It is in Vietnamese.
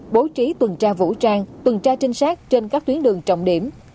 bố trí tuần tra vũ trang tuần tra trinh sát trên các tuyến đường trọng điểm